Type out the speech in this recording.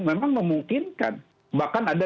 memang memungkinkan bahkan ada